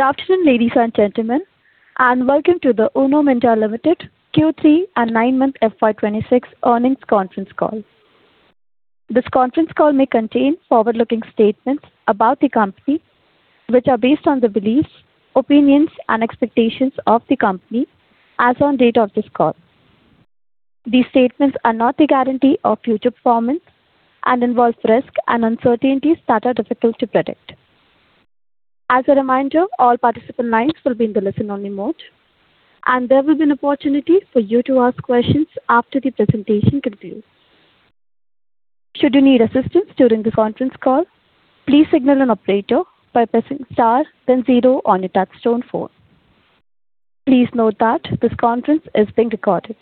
Good afternoon, ladies and gentlemen, and welcome to the Uno Minda Limited Q3 and nine month FY26 earnings conference call. This conference call may contain forward-looking statements about the company, which are based on the beliefs, opinions, and expectations of the company as on date of this call. These statements are not a guarantee of future performance and involve risks and uncertainties that are difficult to predict. As a reminder, all participant lines will be in the listen-only mode, and there will be an opportunity for you to ask questions after the presentation concludes. Should you need assistance during the conference call, please signal an operator by pressing star, then zero on your touch-tone phone. Please note that this conference is being recorded.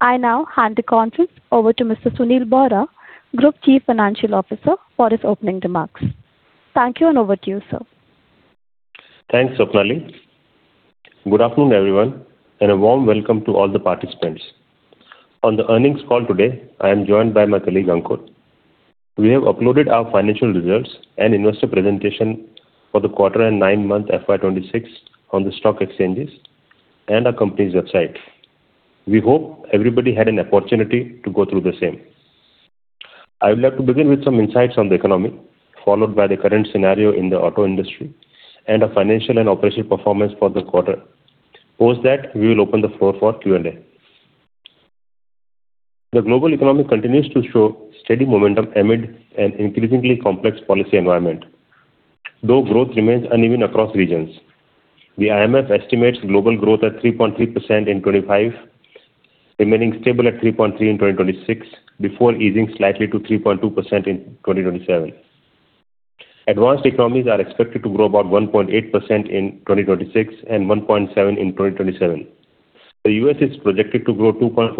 I now hand the conference over to Mr. Sunil Bohra, Group Chief Financial Officer, for his opening remarks. Thank you, and over to you, sir. Thanks, Swapnali. Good afternoon, everyone, and a warm welcome to all the participants. On the earnings call today, I am joined by my colleague, Ankur. We have uploaded our financial results and investor presentation for the quarter and nine month FY26 on the stock exchanges and our company's website. We hope everybody had an opportunity to go through the same. I would like to begin with some insights on the economy, followed by the current scenario in the auto industry and our financial and operational performance for the quarter. Post that, we will open the floor for Q&A. The global economy continues to show steady momentum amid an increasingly complex policy environment, though growth remains uneven across regions. The IMF estimates global growth at 3.3% in 2025, remaining stable at 3.3% in 2026, before easing slightly to 3.2% in 2027. Advanced economies are expected to grow about 1.8% in 2026 and 1.7% in 2027. The U.S. is projected to grow 2.4%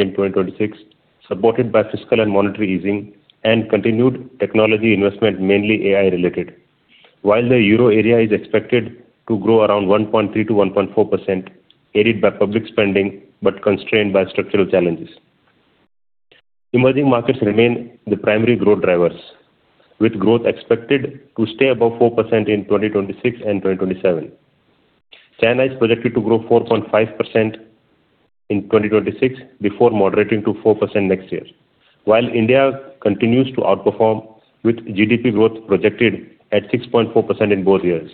in 2026, supported by fiscal and monetary easing and continued technology investment, mainly AI-related, while the euro area is expected to grow around 1.3%-1.4%, aided by public spending but constrained by structural challenges. Emerging markets remain the primary growth drivers, with growth expected to stay above 4% in 2026 and 2027. China is projected to grow 4.5% in 2026 before moderating to 4% next year, while India continues to outperform, with GDP growth projected at 6.4% in both years,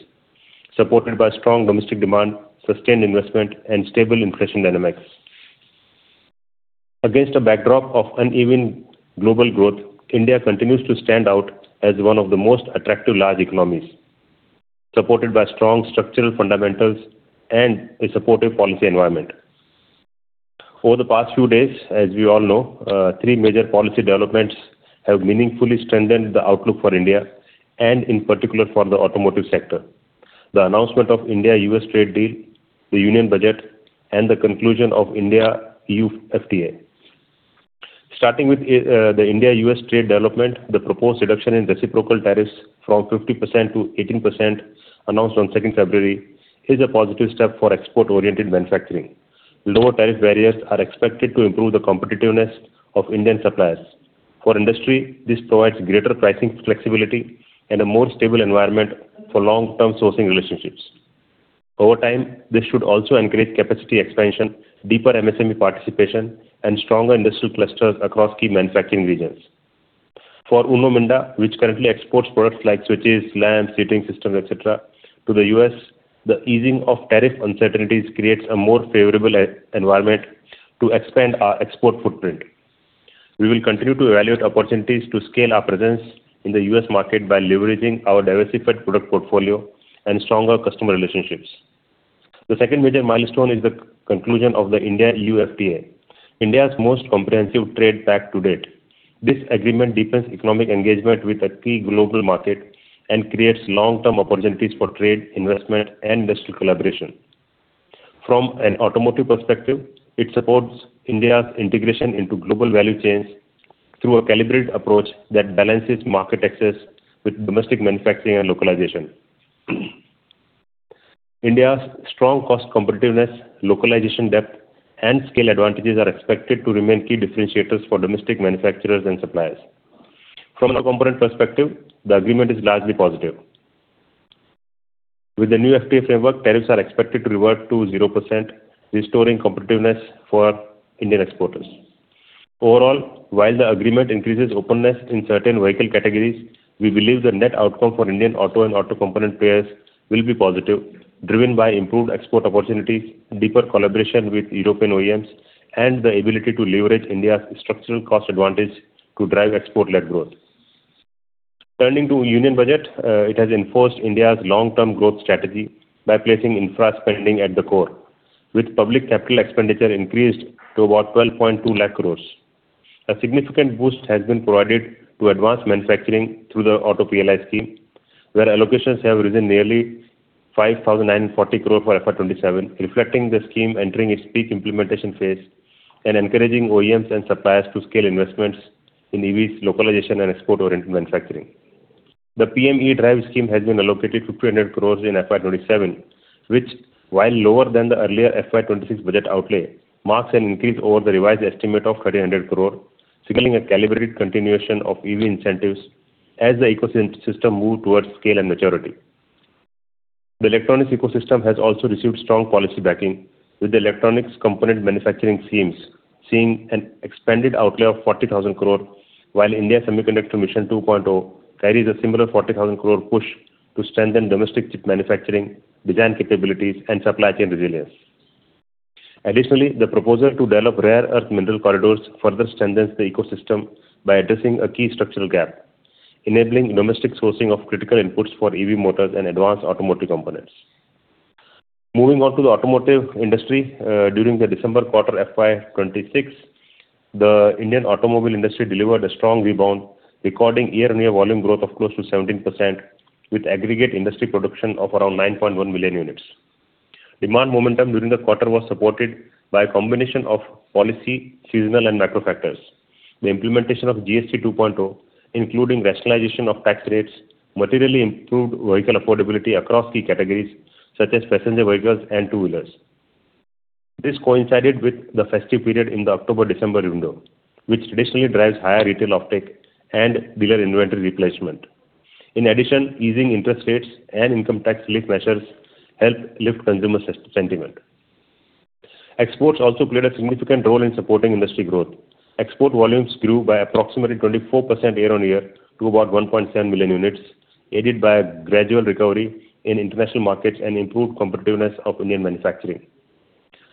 supported by strong domestic demand, sustained investment, and stable inflation dynamics. Against a backdrop of uneven global growth, India continues to stand out as one of the most attractive large economies, supported by strong structural fundamentals and a supportive policy environment. Over the past few days, as we all know, three major policy developments have meaningfully strengthened the outlook for India, and in particular for the automotive sector: the announcement of India-U.S. Trade Deal, the union budget, and the conclusion of India-EU FTA. Starting with the India-U.S. trade development, the proposed reduction in reciprocal tariffs from 50%-8%, announced on 2 February, is a positive step for export-oriented manufacturing. Lower tariff barriers are expected to improve the competitiveness of Indian suppliers. For industry, this provides greater pricing flexibility and a more stable environment for long-term sourcing relationships. Over time, this should also encourage capacity expansion, deeper MSME participation, and stronger industrial clusters across key manufacturing regions. For Uno Minda, which currently exports products like switches, lamps, heating systems, etc., to the U.S., the easing of tariff uncertainties creates a more favorable environment to expand our export footprint. We will continue to evaluate opportunities to scale our presence in the U.S. market by leveraging our diversified product portfolio and stronger customer relationships. The second major milestone is the conclusion of the India-EU FTA, India's most comprehensive trade pact to date. This agreement deepens economic engagement with a key global market and creates long-term opportunities for trade, investment, and industrial collaboration. From an automotive perspective, it supports India's integration into global value chains through a calibrated approach that balances market access with domestic manufacturing and localization. India's strong cost competitiveness, localization depth, and scale advantages are expected to remain key differentiators for domestic manufacturers and suppliers. From another component perspective, the agreement is largely positive. With the new FTA framework, tariffs are expected to revert to 0%, restoring competitiveness for Indian exporters. Overall, while the agreement increases openness in certain vehicle categories, we believe the net outcome for Indian auto and auto component players will be positive, driven by improved export opportunities, deeper collaboration with European OEMs, and the ability to leverage India's structural cost advantage to drive export-led growth. Turning to Union Budget, it has enforced India's long-term growth strategy by placing infra spending at the core, with public capital expenditure increased to about 1,220,000 crore. A significant boost has been provided to advanced manufacturing through the Auto PLI Scheme, where allocations have risen nearly 5,940 crore for FY27, reflecting the scheme entering its peak implementation phase and encouraging OEMs and suppliers to scale investments in EVs' localization and export-oriented manufacturing. The PM E-DRIVE scheme has been allocated 1,500 crores in FY27, which, while lower than the earlier FY26 budget outlay, marks an increase over the revised estimate of 1,300 crores, signaling a calibrated continuation of EV incentives as the ecosystem moves towards scale and maturity. The electronics ecosystem has also received strong policy backing, with electronics component manufacturing schemes seeing an expanded outlay of 40,000 crores, while India Semiconductor Mission 2.0 carries a similar 40,000 crore push to strengthen domestic chip manufacturing, design capabilities, and supply chain resilience. Additionally, the proposal to develop rare earth mineral corridors further strengthens the ecosystem by addressing a key structural gap, enabling domestic sourcing of critical inputs for EV motors and advanced automotive components. Moving on to the automotive industry, during the December quarter FY26, the Indian automobile industry delivered a strong rebound, recording year-on-year volume growth of close to 17%, with aggregate industry production of around 9.1 million units. Demand momentum during the quarter was supported by a combination of policy, seasonal, and macro factors. The implementation of GST 2.0, including rationalization of tax rates, materially improved vehicle affordability across key categories such as passenger vehicles and two-wheelers. This coincided with the festive period in the October-December window, which traditionally drives higher retail uptake and dealer inventory replacement. In addition, easing interest rates and income tax relief measures helped lift consumer sentiment. Exports also played a significant role in supporting industry growth. Export volumes grew by approximately 24% year-on-year to about 1.7 million units, aided by a gradual recovery in international markets and improved competitiveness of Indian manufacturing.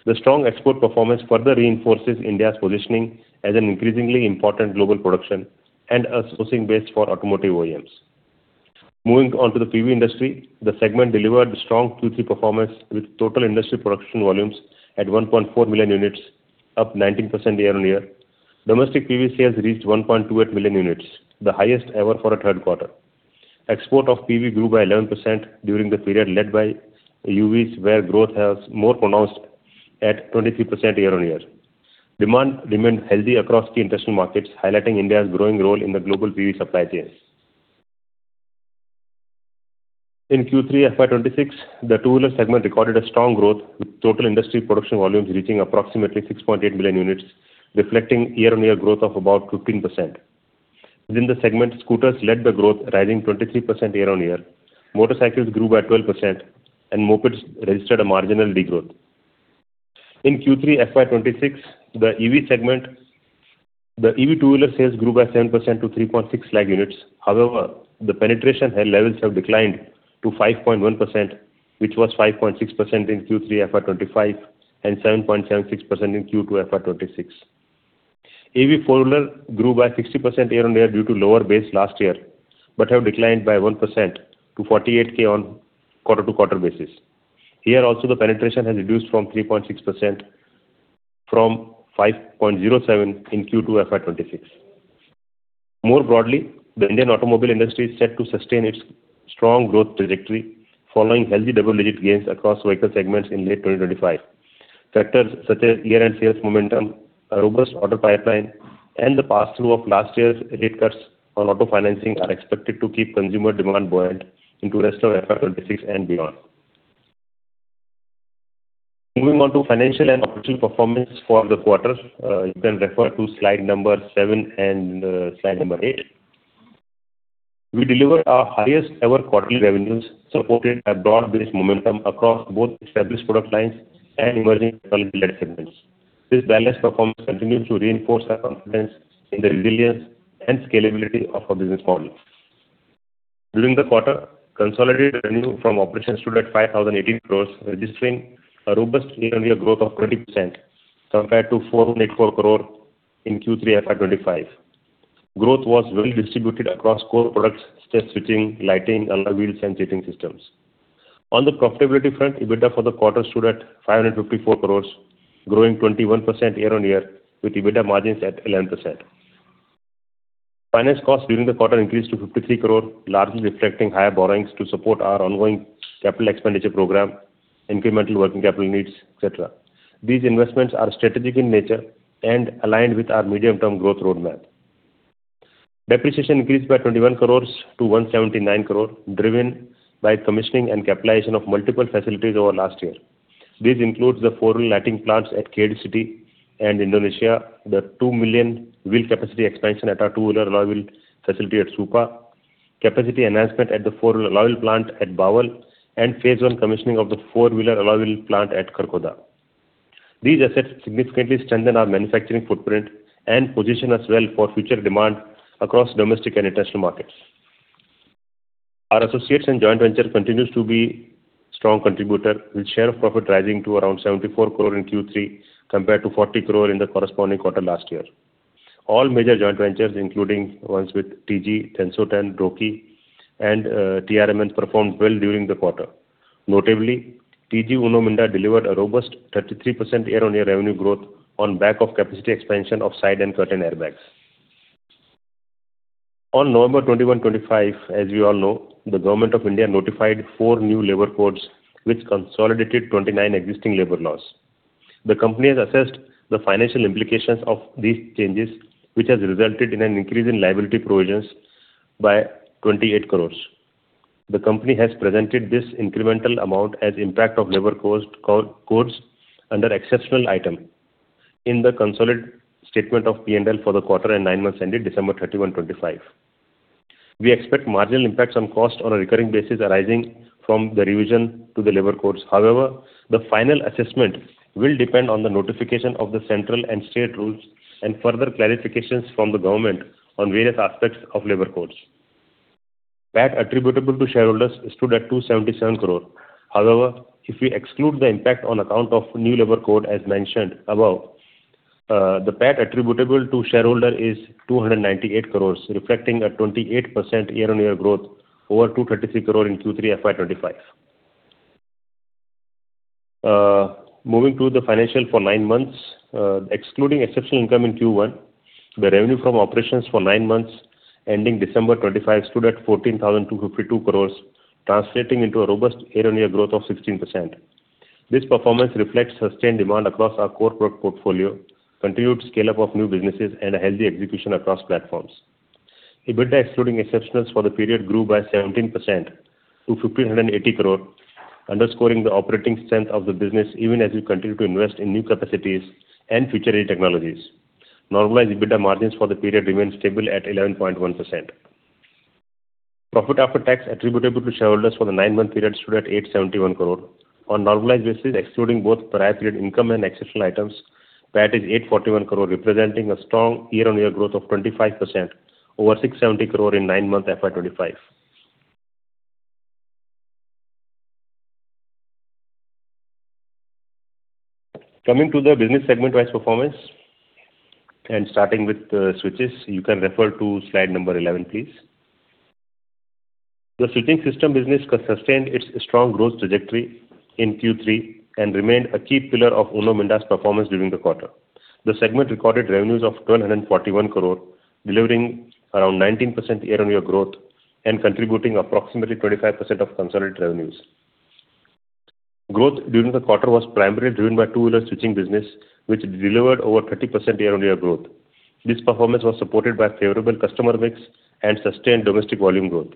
The strong export performance further reinforces India's positioning as an increasingly important global production and a sourcing base for automotive OEMs. Moving on to the PV industry, the segment delivered strong Q3 performance, with total industry production volumes at 1.4 million units, up 19% year-on-year. Domestic PV sales reached 1.28 million units, the highest ever for a third quarter. Export of PV grew by 11% during the period led by UVs, where growth was more pronounced at 23% year-on-year. Demand remained healthy across key international markets, highlighting India's growing role in the global PV supply chain. In Q3 FY26, the two-wheeler segment recorded a strong growth, with total industry production volumes reaching approximately 6.8 million units, reflecting year-on-year growth of about 15%. Within the segment, scooters led the growth, rising 23% year-on-year. Motorcycles grew by 12%, and mopeds registered a marginal degrowth. In Q3 FY26, the EV two-wheeler sales grew by 7% to 3.6 lakh units. However, the penetration levels have declined to 5.1%, which was 5.6% in Q3 FY25 and 7.76% in Q2 FY26. EV four-wheeler grew by 60% year-over-year due to lower base last year but have declined by 1% to 48k on quarter-over-quarter basis. Here, also, the penetration has reduced from 3.6% from 5.07% in Q2 FY26. More broadly, the Indian automobile industry is set to sustain its strong growth trajectory, following healthy double-digit gains across vehicle segments in late 2025. Factors such as year-end sales momentum, a robust order pipeline, and the pass-through of last year's rate cuts on auto financing are expected to keep consumer demand buoyant into the rest of FY26 and beyond. Moving on to financial and operational performance for the quarter, you can refer to slide number 7 and slide number 8. We delivered our highest-ever quarterly revenues, supported by broad-based momentum across both established product lines and emerging technology-led segments. This balanced performance continues to reinforce our confidence in the resilience and scalability of our business model. During the quarter, consolidated revenue from operations stood at 5,018 crores, registering a robust year-on-year growth of 20% compared to 484 crores in Q3 FY25. Growth was well-distributed across core products such as switching, lighting, alloy wheels, and seating systems. On the profitability front, EBITDA for the quarter stood at 554 crores, growing 21% year-on-year, with EBITDA margins at 11%. Finance costs during the quarter increased to 53 crores, largely reflecting higher borrowings to support our ongoing capital expenditure program, incremental working capital needs, etc. These investments are strategic in nature and aligned with our medium-term growth roadmap. Depreciation increased by 21 crore to 179 crore, driven by commissioning and capitalization of multiple facilities over last year. This includes the four-wheeler lighting plants at Khed City and Indonesia, the 2 million wheel capacity expansion at our two-wheeler alloy wheel facility at Supa, capacity enhancement at the four-wheeler alloy wheel plant at Bawal, and phase-one commissioning of the four-wheeler alloy wheel plant at Kharkhoda. These assets significantly strengthen our manufacturing footprint and position us well for future demand across domestic and international markets. Our associates and joint venture continues to be a strong contributor, with share of profit rising to around 74 crore in Q3 compared to 40 crore in the corresponding quarter last year. All major joint ventures, including ones with TG, Denso Ten, Roki, and TRMN, performed well during the quarter. Notably, TG Uno Minda delivered a robust 33% year-on-year revenue growth on the back of capacity expansion of side and curtain airbags. On November 21, 2025, as we all know, the Government of India notified 4 new labor codes, which consolidated 29 existing labor laws. The company has assessed the financial implications of these changes, which have resulted in an increase in liability provisions by 28 crore. The company has presented this incremental amount as the impact of labor codes under the Exceptional Item in the Consolidated Statement of P&L for the quarter and 9 months ended December 31, 2025. We expect marginal impacts on costs on a recurring basis arising from the revision to the labor codes. However, the final assessment will depend on the notification of the central and state rules and further clarifications from the government on various aspects of labor codes. PAT attributable to shareholders stood at 277 crore. However, if we exclude the impact on account of the new labor code as mentioned above, the PAT attributable to shareholders is 298 crore, reflecting a 28% year-on-year growth over 233 crore in Q3 FY2025. Moving to the financial for nine months, excluding exceptional income in Q1, the revenue from operations for nine months ending December 2025 stood at 14,252 crore, translating into a robust year-on-year growth of 16%. This performance reflects sustained demand across our core product portfolio, continued scale-up of new businesses, and a healthy execution across platforms. EBITDA, excluding exceptionals for the period, grew by 17% to 1,580 crore, underscoring the operating strength of the business even as we continue to invest in new capacities and future-led technologies. Normalized EBITDA margins for the period remain stable at 11.1%. Profit after tax attributable to shareholders for the nine-month period stood at 871 crores. On normalized basis, excluding both prior period income and exceptional items, PAT is 841 crores, representing a strong year-on-year growth of 25% over 670 crores in nine-month FY25. Coming to the business segment-wise performance and starting with switches, you can refer to slide number 11, please. The switching system business sustained its strong growth trajectory in Q3 and remained a key pillar of Uno Minda's performance during the quarter. The segment recorded revenues of 1,241 crores, delivering around 19% year-on-year growth and contributing approximately 25% of consolidated revenues. Growth during the quarter was primarily driven by the two-wheeler switching business, which delivered over 30% year-on-year growth. This performance was supported by a favorable customer mix and sustained domestic volume growth.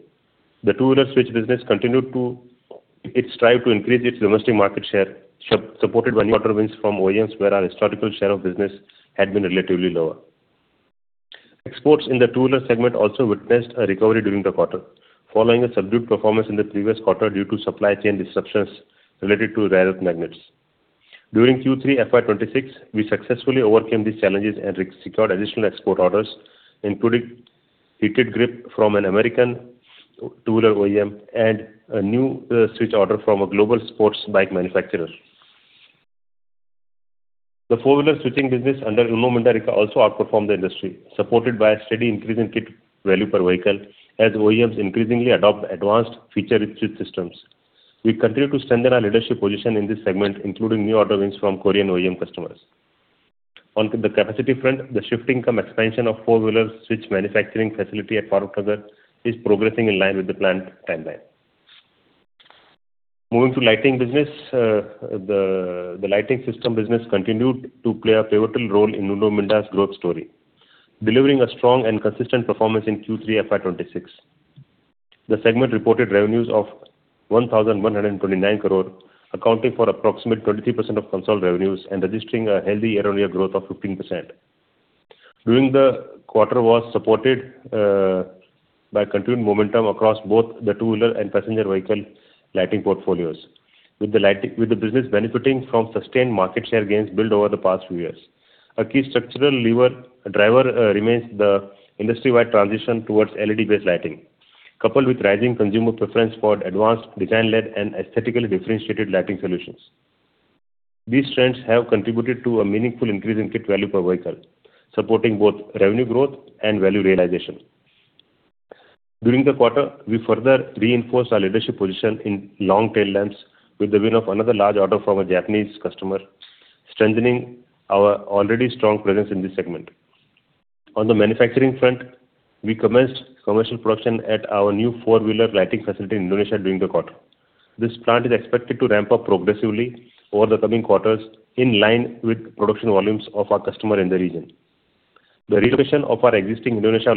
The two-wheeler switch business continued its strive to increase its domestic market share, supported by new quarter wins from OEMs, where our historical share of business had been relatively lower. Exports in the two-wheeler segment also witnessed a recovery during the quarter, following a subdued performance in the previous quarter due to supply chain disruptions related to rare earth magnets. During Q3 FY26, we successfully overcame these challenges and secured additional export orders, including heated grip from an American two-wheeler OEM and a new switch order from a global sports bike manufacturer. The four-wheeler switching business under Uno Minda also outperformed the industry, supported by a steady increase in kit value per vehicle as OEMs increasingly adopt advanced feature-rich switch systems. We continue to strengthen our leadership position in this segment, including new order wins from Korean OEM customers. On the capacity front, the shifting come expansion of the four-wheeler switch manufacturing facility at Farrukhnagar is progressing in line with the planned timeline. Moving to the lighting business, the lighting system business continued to play a pivotal role in Uno Minda's growth story, delivering a strong and consistent performance in Q3 FY26. The segment reported revenues of 1,129 crores, accounting for approximately 23% of consolidated revenues and registering a healthy year-on-year growth of 15%. During the quarter, it was supported by continued momentum across both the two-wheeler and passenger vehicle lighting portfolios, with the business benefiting from sustained market share gains built over the past few years. A key structural driver remains the industry-wide transition towards LED-based lighting, coupled with rising consumer preference for advanced design-led and aesthetically differentiated lighting solutions. These trends have contributed to a meaningful increase in kit value per vehicle, supporting both revenue growth and value realization. During the quarter, we further reinforced our leadership position in long tail lamps with the win of another large order from a Japanese customer, strengthening our already strong presence in this segment. On the manufacturing front, we commenced commercial production at our new four-wheeler lighting facility in Indonesia during the quarter. This plant is expected to ramp up progressively over the coming quarters in line with the production volumes of our customers in the region. The relocation of our existing Indonesia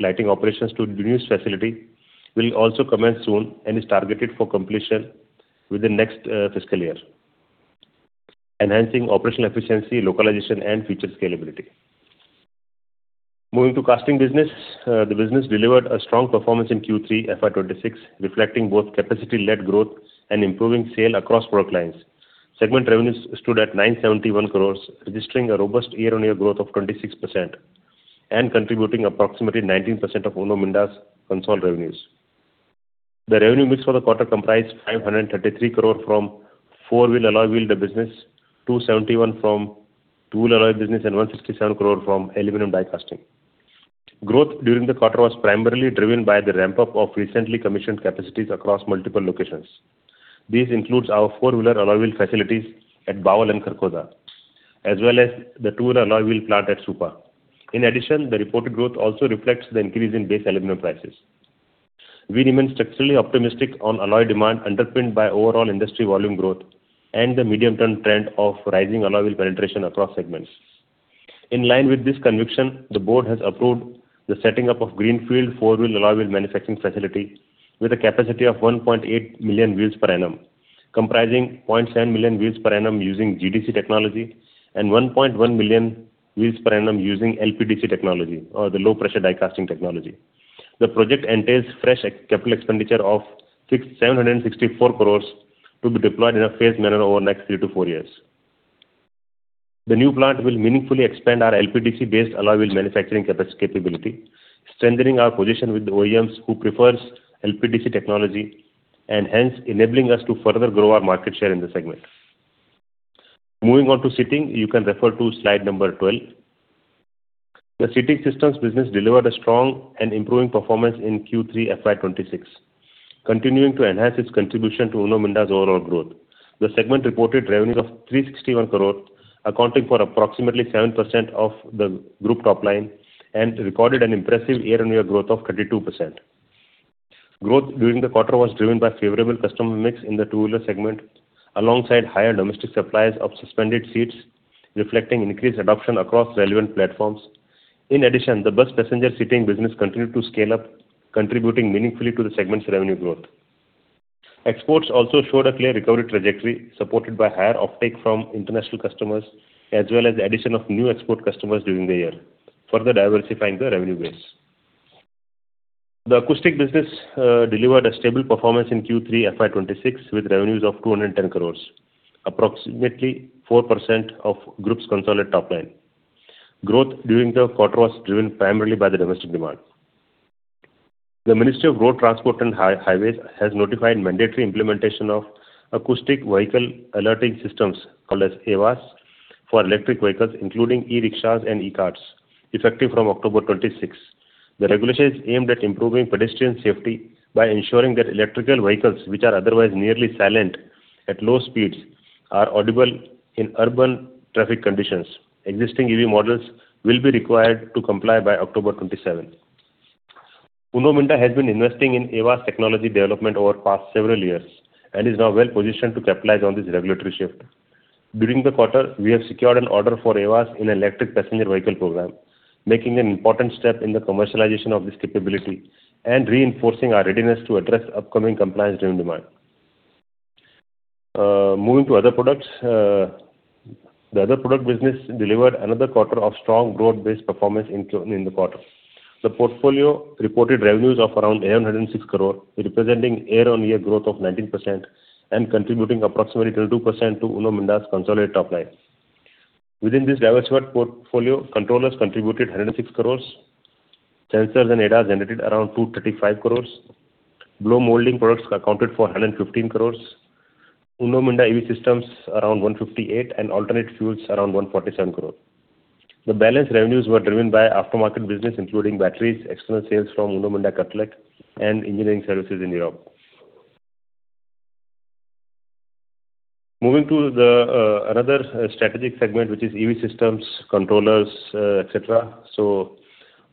lighting operations to the new facility will also commence soon and is targeted for completion within the next fiscal year, enhancing operational efficiency, localization, and future scalability. Moving to the casting business, the business delivered a strong performance in Q3 FY26, reflecting both capacity-led growth and improving sales across product lines. Segment revenues stood at 971 crore, registering a robust year-on-year growth of 26% and contributing approximately 19% of Uno Minda's consolidated revenues. The revenue mix for the quarter comprised 533 crore from the four-wheeler alloy wheel business, 271 crore from the two-wheeler alloy business, and 167 crore from aluminum die casting. Growth during the quarter was primarily driven by the ramp-up of recently commissioned capacities across multiple locations. This includes our four-wheeler alloy wheel facilities at Bawal and Kharkhoda, as well as the two-wheeler alloy wheel plant at Supa. In addition, the reported growth also reflects the increase in base aluminum prices. We remain structurally optimistic on alloy demand underpinned by overall industry volume growth and the medium-term trend of rising alloy wheel penetration across segments. In line with this conviction, the board has approved the setting up of a greenfield four-wheeler alloy wheel manufacturing facility with a capacity of 1.8 million wheels per annum, comprising 0.7 million wheels per annum using GDC technology and 1.1 million wheels per annum using LPDC technology, or the low-pressure die casting technology. The project entails fresh capital expenditure of 764 crore to be deployed in a phased manner over the next three to four years. The new plant will meaningfully expand our LPDC-based alloy wheel manufacturing capability, strengthening our position with the OEMs who prefer LPDC technology, and hence enabling us to further grow our market share in the segment. Moving on to the seating, you can refer to slide number 12. The seating systems business delivered a strong and improving performance in Q3 FY26, continuing to enhance its contribution to Uno Minda's overall growth. The segment reported revenues of 361 crore, accounting for approximately 7% of the group top line, and recorded an impressive year-on-year growth of 32%. Growth during the quarter was driven by a favorable customer mix in the two-wheeler segment, alongside higher domestic supplies of suspended seats, reflecting increased adoption across relevant platforms. In addition, the bus passenger seating business continued to scale up, contributing meaningfully to the segment's revenue growth. Exports also showed a clear recovery trajectory, supported by higher uptake from international customers as well as the addition of new export customers during the year, further diversifying the revenue base. The acoustic business delivered a stable performance in Q3 FY 2026 with revenues of 210 crore, approximately 4% of the group's consolidated top line. Growth during the quarter was driven primarily by the domestic demand. The Ministry of Road Transport and Highways has notified mandatory implementation of acoustic vehicle alerting systems (called as AVAS) for electric vehicles, including e-rickshaws and e-carts, effective from October 26. The regulations aimed at improving pedestrian safety by ensuring that electrical vehicles, which are otherwise nearly silent at low speeds, are audible in urban traffic conditions. Existing EV models will be required to comply by October 27. Uno Minda has been investing in AVAS technology development over the past several years and is now well positioned to capitalize on this regulatory shift. During the quarter, we have secured an order for AVAS in the electric passenger vehicle program, making an important step in the commercialization of this capability and reinforcing our readiness to address upcoming compliance-driven demand. Moving to other products, the other product business delivered another quarter of strong growth-based performance in the quarter. The portfolio reported revenues of around 706 crores, representing year-on-year growth of 19% and contributing approximately 22% to Uno Minda's consolidated top line. Within this diversified portfolio, controllers contributed 196 crores, sensors and ADAS generated around 235 crores, blow molding products accounted for 115 crores, Uno Minda EV systems around 158 crores, and alternate fuels around 147 crores. The balanced revenues were driven by aftermarket business, including batteries, external sales from Uno Minda Katolec, and engineering services in Europe. Moving to another strategic segment, which is EV systems, controllers, etc., so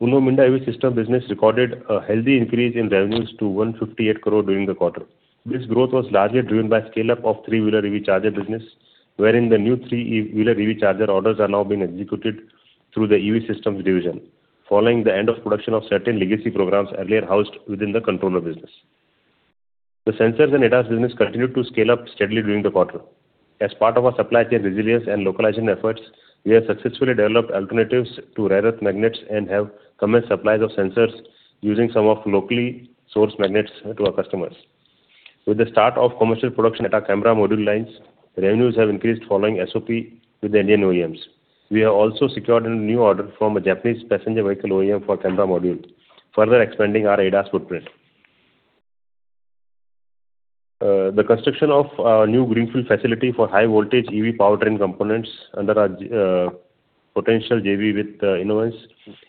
Uno Minda EV system business recorded a healthy increase in revenues to 158 crores during the quarter. This growth was largely driven by the scale-up of the three-wheeler EV charger business, wherein the new three-wheeler EV charger orders are now being executed through the EV systems division, following the end of production of certain legacy programs earlier housed within the controller business. The sensors and ADAS business continued to scale up steadily during the quarter. As part of our supply chain resilience and localization efforts, we have successfully developed alternatives to rare earth magnets and have commenced supplies of sensors using some of locally sourced magnets to our customers. With the start of commercial production at our camera module lines, revenues have increased following SOP with the Indian OEMs. We have also secured a new order from a Japanese passenger vehicle OEM for a camera module, further expanding our ADAS footprint. The construction of a new greenfield facility for high-voltage EV powertrain components under our potential JV with Inovance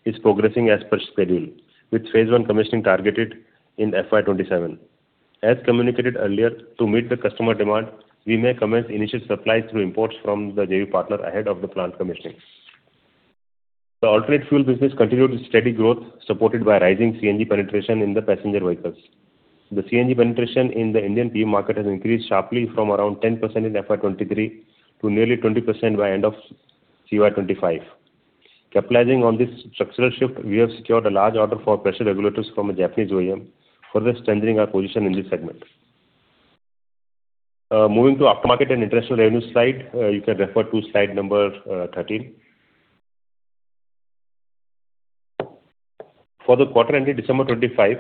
is progressing as per schedule, with phase one commissioning targeted in FY27. As communicated earlier, to meet the customer demand, we may commence initial supplies through imports from the JV partner ahead of the plant commissioning. The alternate fuel business continued its steady growth, supported by rising CNG penetration in the passenger vehicles. The CNG penetration in the Indian PV market has increased sharply from around 10% in FY23 to nearly 20% by the end of CY25. Capitalizing on this structural shift, we have secured a large order for pressure regulators from a Japanese OEM, further strengthening our position in this segment. Moving to the aftermarket and international revenue slide, you can refer to slide number 13. For the quarter ending December 25,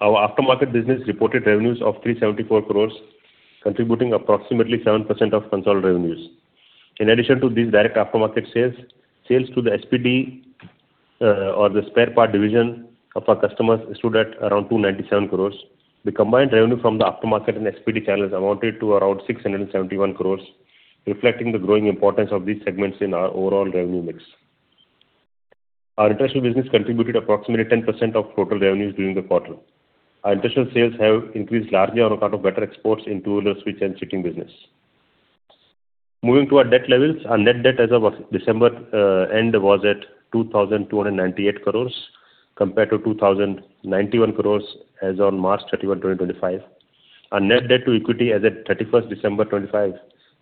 our aftermarket business reported revenues of 374 crores, contributing approximately 7% of consolidated revenues. In addition to this direct aftermarket sales, sales to the SPD, or the spare part division of our customers, stood at around 297 crores. The combined revenue from the aftermarket and SPD channels amounted to around 671 crores, reflecting the growing importance of these segments in our overall revenue mix. Our international business contributed approximately 10% of total revenues during the quarter. Our international sales have increased largely on account of better exports in the two-wheeler switch and seating business. Moving to our debt levels, our net debt as of December end was at 2,298 crores compared to 2,091 crores as on March 31, 2025. Our net debt to equity as of 31st December 2025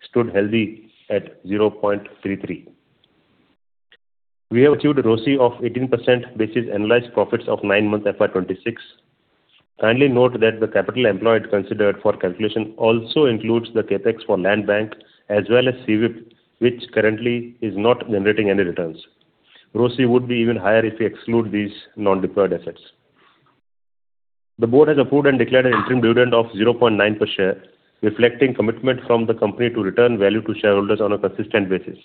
stood healthy at 0.33. We have achieved a ROCE of 18% basis annualized profits of 9 months FY26. Kindly note that the capital employed considered for calculation also includes the CapEx for Land Bank as well as CWIP, which currently is not generating any returns. ROCE would be even higher if we exclude these non-deployed assets. The board has approved and declared an interim dividend of 0.9% per share, reflecting commitment from the company to return value to shareholders on a consistent basis.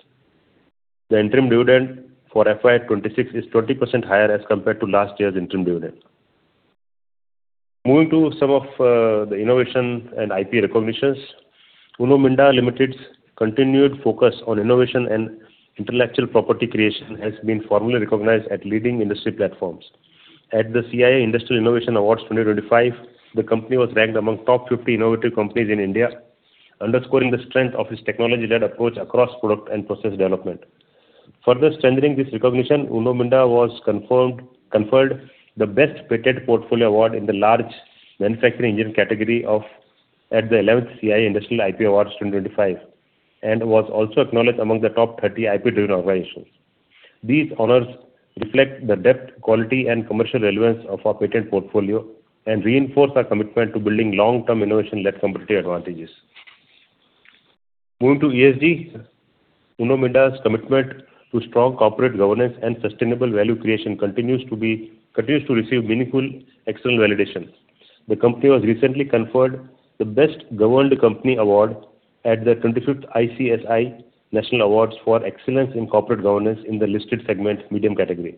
The interim dividend for FY26 is 20% higher as compared to last year's interim dividend. Moving to some of the innovation and IP recognitions, Uno Minda Limited's continued focus on innovation and intellectual property creation has been formally recognized at leading industry platforms. At the CII Industrial Innovation Awards 2025, the company was ranked among the top 50 innovative companies in India, underscoring the strength of its technology-led approach across product and process development. Further strengthening this recognition, Uno Minda was conferred the Best Patented Portfolio Award in the Large Manufacturing Enterprise category at the 11th CII Industrial IP Awards 2025 and was also acknowledged among the top 30 IP-driven organizations. These honors reflect the depth, quality, and commercial relevance of our patented portfolio and reinforce our commitment to building long-term innovation-led competitive advantages. Moving to ESG, Uno Minda's commitment to strong corporate governance and sustainable value creation continues to receive meaningful external validation. The company was recently conferred the Best Governed Company Award at the 25th ICSI National Awards for Excellence in Corporate Governance in the Listed Segment Medium category.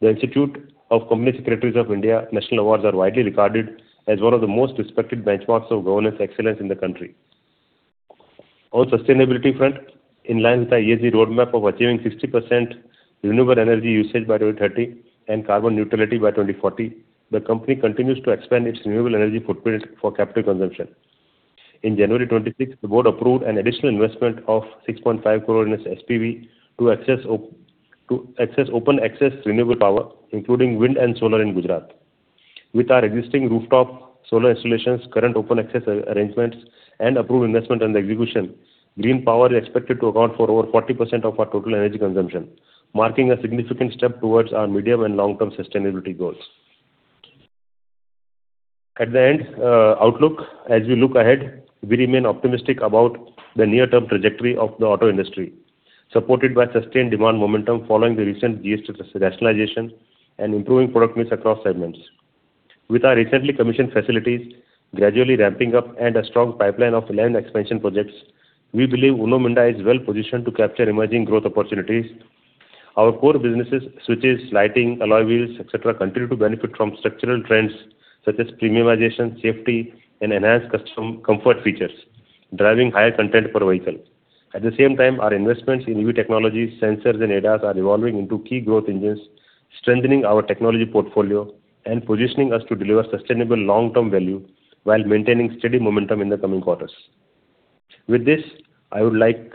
The Institute of Company Secretaries of India National Awards are widely regarded as one of the most respected benchmarks of governance excellence in the country. On the sustainability front, in line with the ESG roadmap of achieving 60% renewable energy usage by 2030 and carbon neutrality by 2040, the company continues to expand its renewable energy footprint for capital consumption. On January 26, the board approved an additional investment of 6.5 crore in SPV to access open access renewable power, including wind and solar, in Gujarat. With our existing rooftop solar installations, current open access arrangements, and approved investment under execution, green power is expected to account for over 40% of our total energy consumption, marking a significant step towards our medium and long-term sustainability goals. At the end outlook, as we look ahead, we remain optimistic about the near-term trajectory of the auto industry, supported by sustained demand momentum following the recent GST rationalization and improving product mix across segments. With our recently commissioned facilities gradually ramping up and a strong pipeline of 11 expansion projects, we believe Uno Minda is well positioned to capture emerging growth opportunities. Our core businesses, switches, lighting, alloy wheels, etc., continue to benefit from structural trends such as premiumization, safety, and enhanced customer comfort features, driving higher content per vehicle. At the same time, our investments in EV technologies, sensors, and ADAS are evolving into key growth engines, strengthening our technology portfolio and positioning us to deliver sustainable long-term value while maintaining steady momentum in the coming quarters. With this, I would like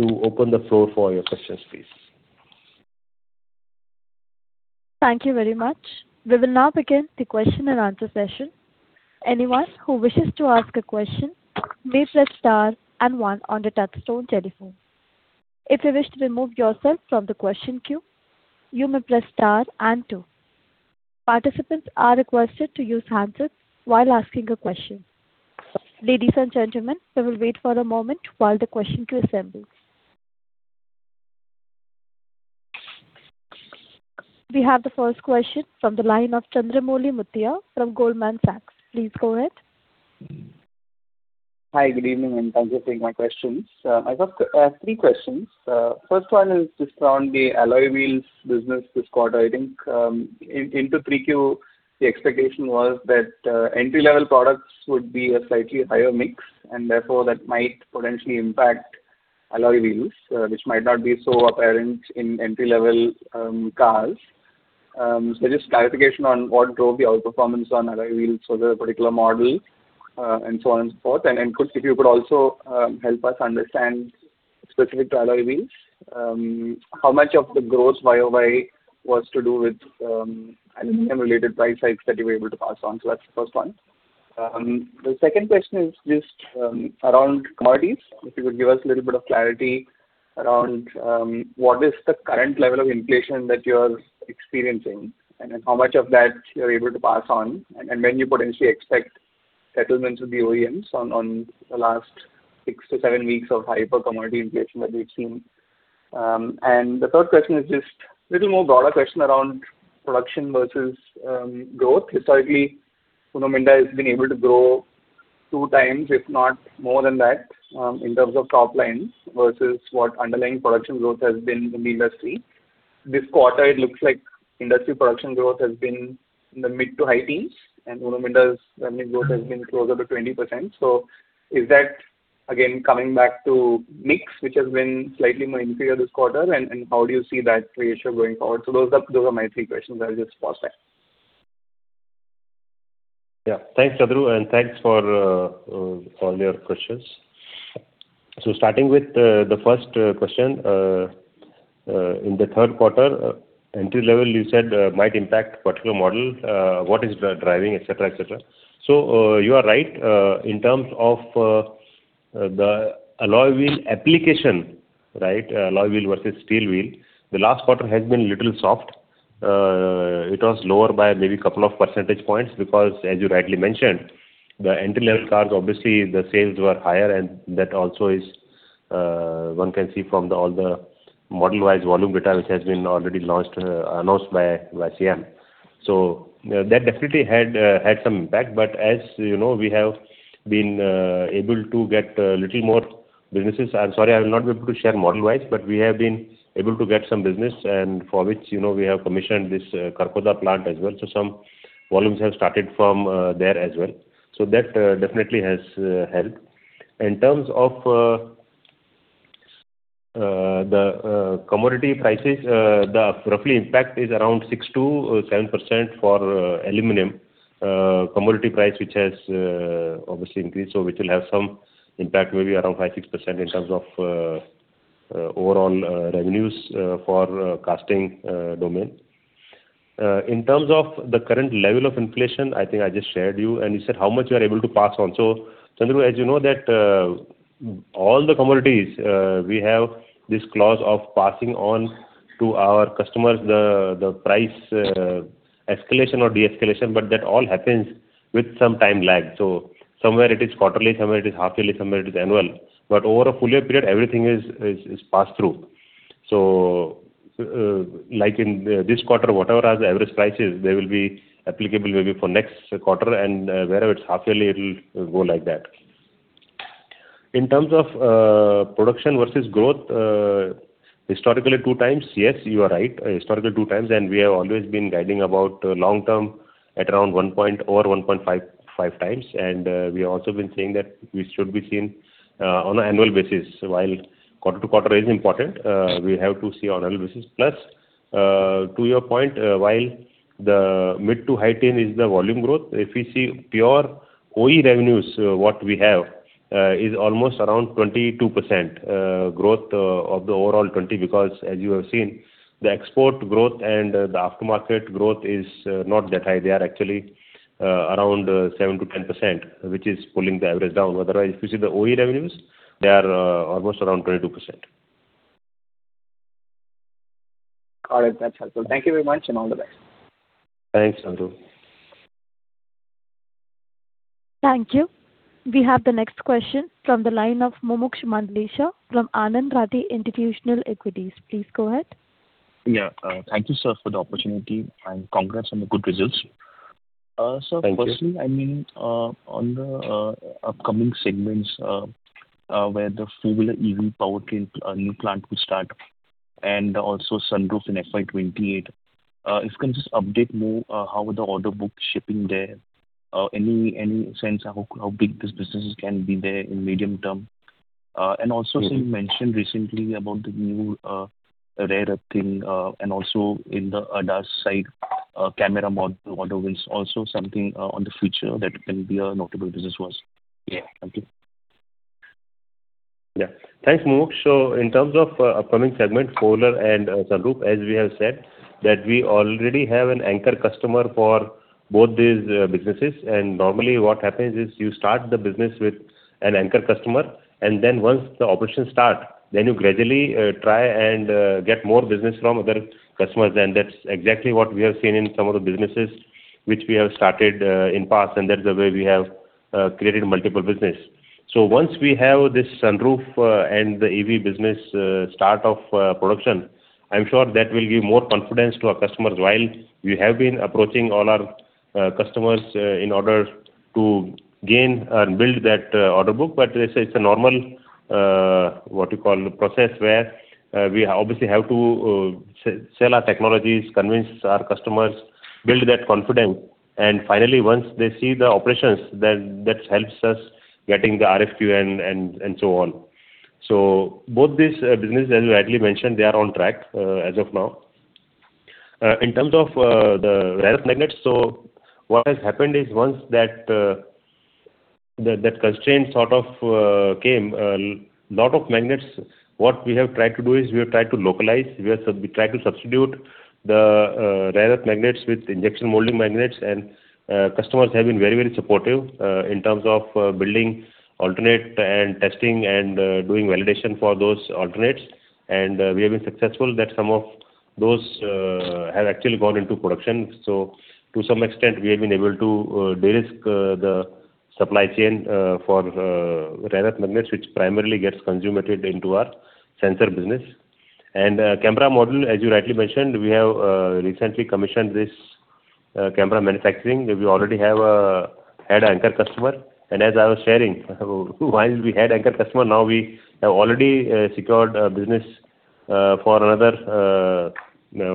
to open the floor for your questions, please. Thank you very much. We will now begin the question-and-answer session. Anyone who wishes to ask a question may press star and one on the touch-tone telephone. If you wish to remove yourself from the question queue, you may press star and two. Participants are requested to use the handset while asking a question. Ladies and gentlemen, we will wait for a moment while the question queue assembles. We have the first question from the line of Chandramouli Muthiah from Goldman Sachs. Please go ahead. Hi. Good evening, and thank you for taking my questions. I have three questions. The first one is just around the alloy wheels business this quarter. I think into 3Q, the expectation was that entry-level products would be a slightly higher mix, and therefore that might potentially impact alloy wheels, which might not be so apparent in entry-level cars. So just clarification on what drove the outperformance on alloy wheels for the particular model, and so on and so forth. And if you could also help us understand specific to alloy wheels, how much of the growth YOY was to do with aluminum-related price hikes that you were able to pass on? So that's the first one. The second question is just around commodities. If you could give us a little bit of clarity around what is the current level of inflation that you're experiencing, and how much of that you're able to pass on, and when you potentially expect settlements with the OEMs on the last 6-7 weeks of hyper-commodity inflation that we've seen? And the third question is just a little more broader question around production versus growth. Historically, Uno Minda has been able to grow 2 times, if not more than that, in terms of top line versus what underlying production growth has been in the industry. This quarter, it looks like industry production growth has been in the mid to high teens, and Uno Minda's revenue growth has been closer to 20%. So is that, again, coming back to mix, which has been slightly more inferior this quarter, and how do you see that ratio going forward? Those are my three questions. I'll just pause there. Yeah. Thanks, Chandru, and thanks for all your questions. So starting with the first question, in the third quarter, entry-level, you said might impact particular model. What is driving, etc., etc.? So you are right. In terms of the alloy wheel application, right, alloy wheel versus steel wheel, the last quarter has been a little soft. It was lower by maybe a couple of percentage points because, as you rightly mentioned, the entry-level cars, obviously, the sales were higher, and that also one can see from all the model-wise volume data, which has been already announced by SIAM. So that definitely had some impact. But as you know, we have been able to get a little more businesses- I'm sorry, I will not be able to share model-wise- but we have been able to get some business for which we have commissioned this Kharkhoda plant as well. So some volumes have started from there as well. So that definitely has helped. In terms of the commodity prices, the roughly impact is around 6%-7% for aluminum commodity price, which has obviously increased, so which will have some impact maybe around 5%-6% in terms of overall revenues for casting domain. In terms of the current level of inflation, I think I just shared you, and you said how much you are able to pass on. So Chandru, as you know, that all the commodities, we have this clause of passing on to our customers the price escalation or de-escalation, but that all happens with some time lag. So somewhere it is quarterly, somewhere it is half-yearly, somewhere it is annual. But over a fuller period, everything is passed through. Like in this quarter, whatever our average price is, they will be applicable maybe for next quarter, and wherever it's half-yearly, it will go like that. In terms of production versus growth, historically, 2 times, yes, you are right. Historically, 2 times, and we have always been guiding about long-term at around 1.0 or 1.5 times. We have also been saying that we should be seen on an annual basis. While quarter-to-quarter is important, we have to see on annual basis. Plus, to your point, while the mid- to high-teen % is the volume growth, if we see pure OE revenues, what we have is almost around 22% growth of the overall 20% because, as you have seen, the export growth and the aftermarket growth is not that high. They are actually around 7%-10%, which is pulling the average down. Otherwise, if you see the OE revenues, they are almost around 22%. Got it. That's helpful. Thank you very much, and all the best. Thanks, Chandru. Thank you. We have the next question from the line of Mumuksh Mandlesha from Anand Rathi Institutional Equities. Please go ahead. Yeah. Thank you, sir, for the opportunity, and congrats on the good results. Sir, firstly, I mean, on the upcoming segments where the four-wheeler EV powertrain new plant will start and also sunroof in FY28, if you can just update more how the order book is shipping there, any sense how big this business can be there in medium term. And also, so you mentioned recently about the new rare earth thing and also in the ADAS side camera modules, alloy wheels, also something on the future that can be a notable business for us. Yeah. Thank you. Yeah. Thanks, Mumuksh. So in terms of upcoming segment, four-wheeler and sunroof, as we have said, that we already have an anchor customer for both these businesses. And normally, what happens is you start the business with an anchor customer, and then once the operations start, then you gradually try and get more business from other customers. And that's exactly what we have seen in some of the businesses which we have started in the past, and that's the way we have created multiple businesses. So once we have this sunroof and the EV business start of production, I'm sure that will give more confidence to our customers while we have been approaching all our customers in order to gain and build that order book. But it's a normal, what you call, process where we obviously have to sell our technologies, convince our customers, build that confidence. Finally, once they see the operations, that helps us getting the RFQ and so on. Both these businesses, as you rightly mentioned, they are on track as of now. In terms of the rare earth magnets, so what has happened is once that constraint sort of came, a lot of magnets, what we have tried to do is we have tried to localize. We have tried to substitute the rare earth magnets with injection molding magnets, and customers have been very, very supportive in terms of building alternate and testing and doing validation for those alternates. We have been successful that some of those have actually gone into production. To some extent, we have been able to de-risk the supply chain for rare earth magnets, which primarily gets consummated into our sensor business. Camera model, as you rightly mentioned, we have recently commissioned this camera manufacturing. We already had an anchor customer. As I was sharing, while we had an anchor customer, now we have already secured a business for another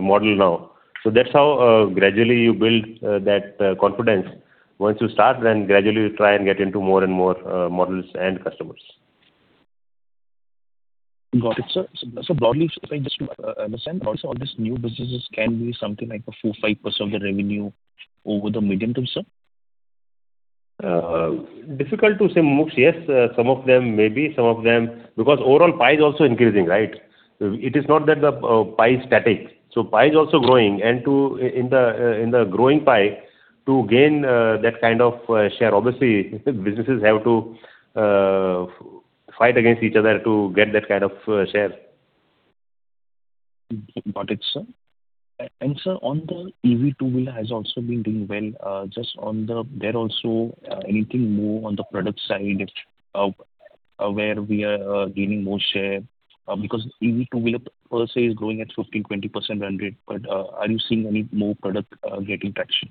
model now. That's how gradually you build that confidence. Once you start, then gradually you try and get into more and more models and customers. Got it, sir. So broadly, if I just understand, also all these new businesses can be something like 4%-5% of the revenue over the medium term, sir? Difficult to say, Mumuksh. Yes, some of them maybe, some of them because overall pie is also increasing, right? It is not that the pie is static. So pie is also growing. And in the growing pie, to gain that kind of share, obviously, businesses have to fight against each other to get that kind of share. Got it, sir. And sir, on the EV two-wheeler, it has also been doing well. Just on the there also, anything more on the product side where we are gaining more share because EV two-wheeler, per se, is growing at 15%-20%, 100, but are you seeing any more product getting traction?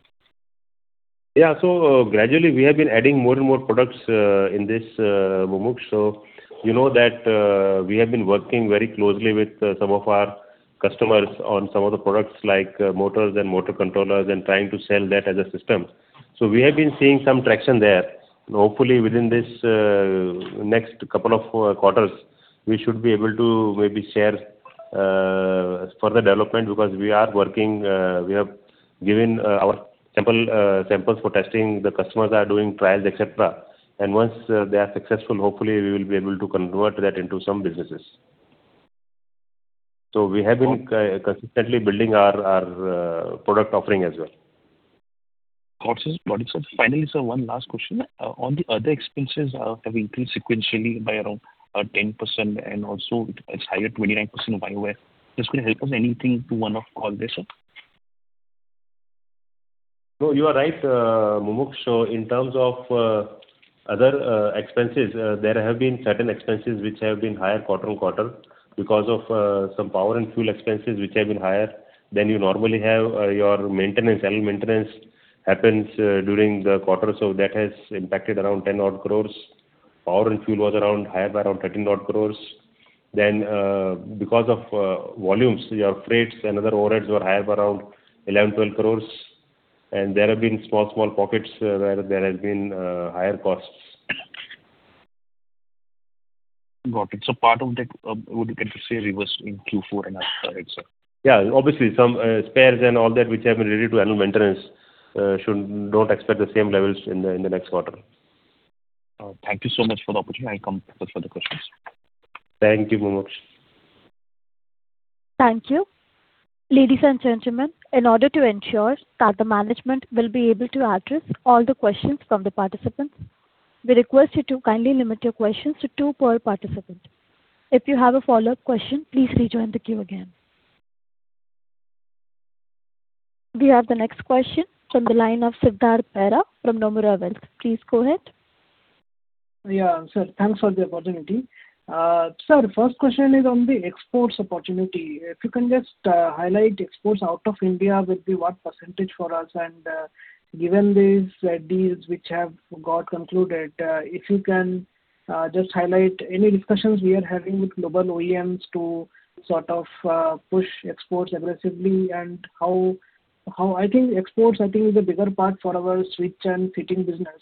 Yeah. So gradually, we have been adding more and more products in this, Mumuksh. So you know that we have been working very closely with some of our customers on some of the products like motors and motor controllers and trying to sell that as a system. So we have been seeing some traction there. Hopefully, within this next couple of quarters, we should be able to maybe share further development because we are working, we have given our samples for testing. The customers are doing trials, etc. And once they are successful, hopefully, we will be able to convert that into some businesses. So we have been consistently building our product offering as well. Got it, sir. Finally, sir, one last question. On the other expenses, have increased sequentially by around 10%, and also it's higher 29% YOY. Does it help us anything to one-off all this, sir? No, you are right, Mumuksh. So in terms of other expenses, there have been certain expenses which have been higher quarter-on-quarter because of some power and fuel expenses which have been higher than you normally have. Your maintenance, annual maintenance happens during the quarter, so that has impacted around 10 crores. Power and fuel was higher by around 13 crores. Then because of volumes, your freights and other overheads were higher by around 11-12 crores. And there have been small, small pockets where there have been higher costs. Got it. So part of that, would you get to say reverse in Q4 and after it, sir? Yeah. Obviously, some spares and all that which have been related to annual maintenance should not expect the same levels in the next quarter. Thank you so much for the opportunity. I'll come to the further questions. Thank you, Mumuksh. Thank you. Ladies and gentlemen, in order to ensure that the management will be able to address all the questions from the participants, we request you to kindly limit your questions to two per participant. If you have a follow-up question, please rejoin the queue again. We have the next question from the line of Siddhartha Bera from Nomura. Please go ahead. Yeah, sir. Thanks for the opportunity. Sir, the first question is on the exports opportunity. If you can just highlight exports out of India with what percentage for us, and given these deals which have got concluded, if you can just highlight any discussions we are having with global OEMs to sort of push exports aggressively and how I think exports, I think, is a bigger part for our switch and fitting business.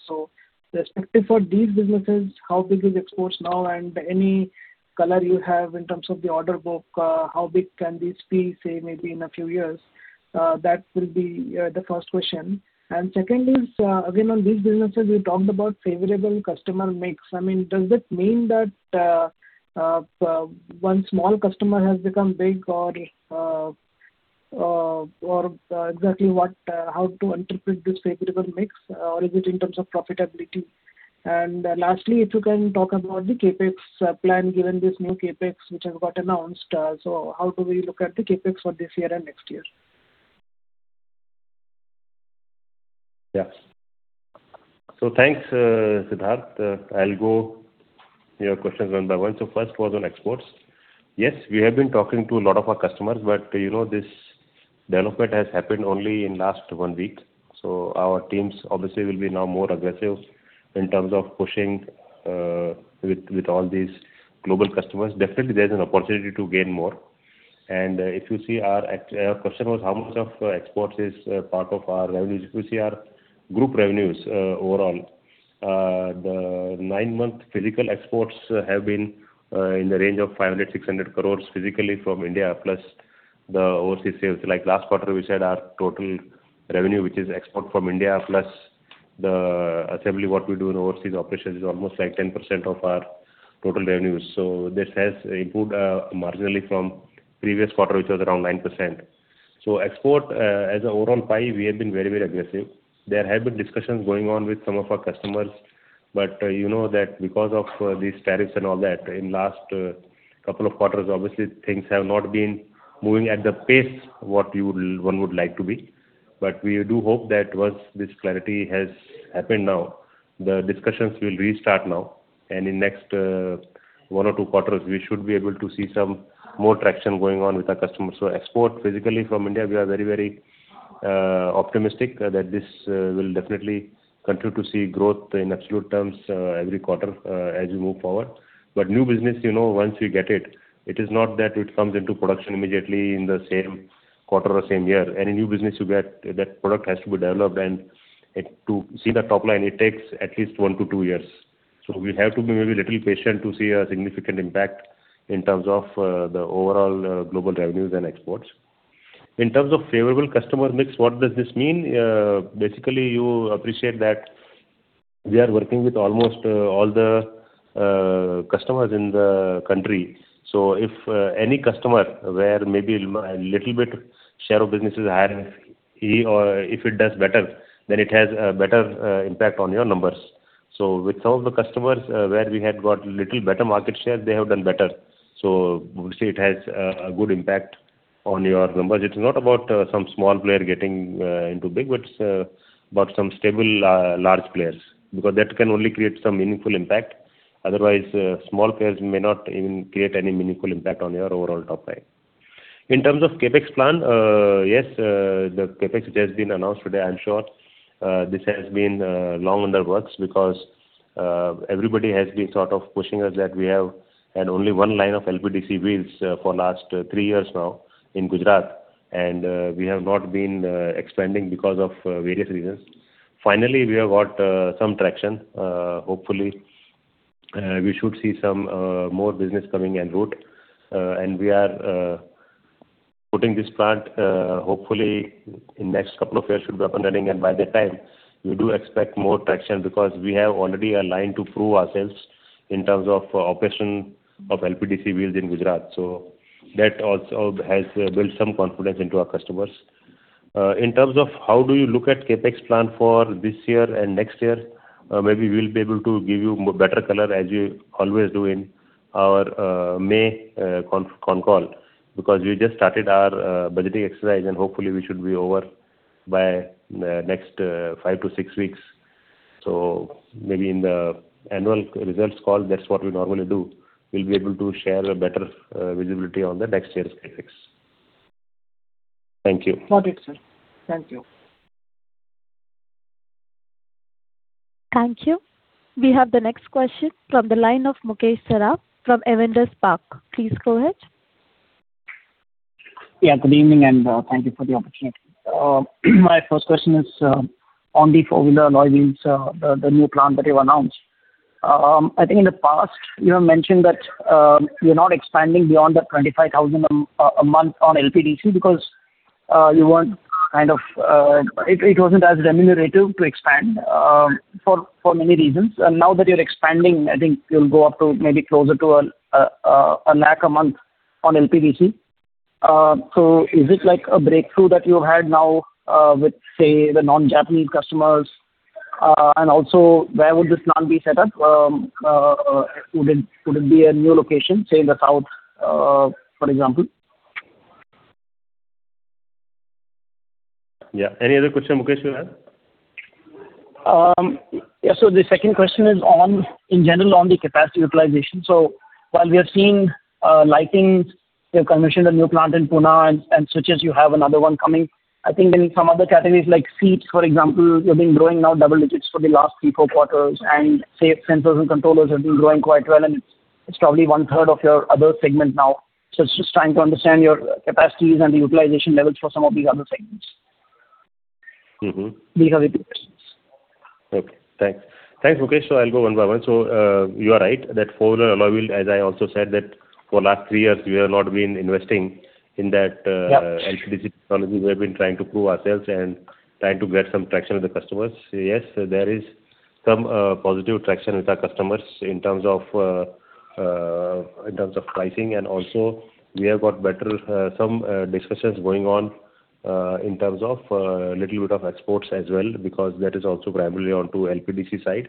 So respective for these businesses, how big is exports now, and any color you have in terms of the order book, how big can these be, say, maybe in a few years? That will be the first question. And second is, again, on these businesses, we talked about favorable customer mix. I mean, does that mean that one small customer has become big, or exactly how to interpret this favorable mix, or is it in terms of profitability? Lastly, if you can talk about the CapEx plan, given this new CapEx which has got announced, so how do we look at the CapEx for this year and next year? Yeah. So thanks, Siddhartha. I'll go to your questions one by one. So first was on exports. Yes, we have been talking to a lot of our customers, but this development has happened only in the last 1 week. So our teams, obviously, will be now more aggressive in terms of pushing with all these global customers. Definitely, there's an opportunity to gain more. And if you see our question was how much of exports is part of our revenues. If you see our group revenues overall, the nine-month physical exports have been in the range of 500-600 crores physically from India plus the overseas sales. Like last quarter, we said our total revenue, which is export from India plus the assembly, what we do in overseas operations, is almost like 10% of our total revenues. So this has improved marginally from previous quarter, which was around 9%. So export as an overall pie, we have been very, very aggressive. There have been discussions going on with some of our customers, but you know that because of these tariffs and all that, in the last couple of quarters, obviously, things have not been moving at the pace what one would like to be. But we do hope that once this clarity has happened now, the discussions will restart now. And in the next one or two quarters, we should be able to see some more traction going on with our customers. So export physically from India, we are very, very optimistic that this will definitely continue to see growth in absolute terms every quarter as we move forward. But new business, once we get it, it is not that it comes into production immediately in the same quarter or same year. Any new business you get, that product has to be developed. And to see the top line, it takes at least 1-2 years. So we have to be maybe a little patient to see a significant impact in terms of the overall global revenues and exports. In terms of favorable customer mix, what does this mean? Basically, you appreciate that we are working with almost all the customers in the country. So if any customer where maybe a little bit share of business is higher, if it does better, then it has a better impact on your numbers. So with some of the customers where we had got a little better market share, they have done better. Obviously, it has a good impact on your numbers. It's not about some small player getting into big, but it's about some stable large players because that can only create some meaningful impact. Otherwise, small players may not even create any meaningful impact on your overall top line. In terms of CapEx plan, yes, the CapEx which has been announced today, I'm sure this has been long in the works because everybody has been sort of pushing us that we have had only 1 line of LPDC wheels for the last 3 years now in Gujarat, and we have not been expanding because of various reasons. Finally, we have got some traction. Hopefully, we should see some more business coming en route. And we are putting this plant, hopefully, in the next couple of years should be up and running. By that time, we do expect more traction because we have already a line to prove ourselves in terms of operation of LPDC wheels in Gujarat. So that also has built some confidence into our customers. In terms of how do you look at CapEx plan for this year and next year, maybe we'll be able to give you better color as we always do in our May concall because we just started our budgeting exercise, and hopefully, we should be over by the next 5-6 weeks. So maybe in the annual results call, that's what we normally do. We'll be able to share better visibility on the next year's CapEx. Thank you. Got it, sir. Thank you. Thank you. We have the next question from the line of Mukesh Saraf from Avendus Spark. Please go ahead. Yeah, good evening, and thank you for the opportunity. My first question is on the four-wheeler alloy wheels, the new plant that you've announced. I think in the past, you have mentioned that you're not expanding beyond the 25,000 a month on LPDC because you weren't kind of it wasn't as remunerative to expand for many reasons. And now that you're expanding, I think you'll go up to maybe closer to 1,000 a month on LPDC. So is it a breakthrough that you've had now with, say, the non-Japanese customers? And also, where would this plant be set up? Would it be a new location, say, in the south, for example? Yeah. Any other question, Mukesh, you have? Yeah. So the second question is in general on the capacity utilization. So while we have seen lighting, you've commissioned a new plant in Pune, and switches, you have another one coming. I think in some other categories like seats, for example, you've been growing now double digits for the last 3, 4 quarters. And, say, sensors and controllers have been growing quite well, and it's probably one-third of your other segment now. So it's just trying to understand your capacities and the utilization levels for some of these other segments. These are the two questions. Okay. Thanks. Thanks, Mukesh. So I'll go one by one. So you are right that four-wheeler alloy wheels, as I also said, that for the last three years, we have not been investing in that LPDC technology. We have been trying to prove ourselves and trying to get some traction with the customers. Yes, there is some positive traction with our customers in terms of pricing. And also, we have got some better discussions going on in terms of a little bit of exports as well because that is also primarily on the LPDC side.